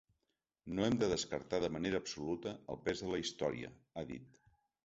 No hem de descartar de manera absoluta el pes de la història, ha dit.